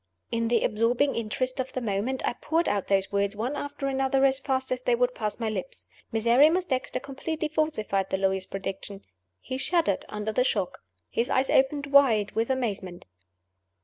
_" In the absorbing interest of the moment, I poured out those words one after another as fast as they would pass my lips. Miserrimus Dexter completely falsified the lawyer's prediction. He shuddered under the shock. His eyes opened wide with amazement.